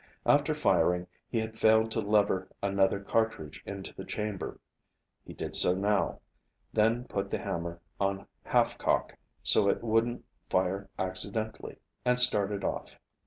After firing, he had failed to lever another cartridge into the chamber. He did so now, then put the hammer on half cock so it couldn't fire accidentally, and started off.